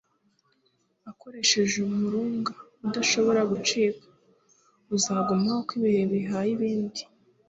akoresheje umurunga udashobora gucika, uzagumaho uko ibihe bihaye ibindi.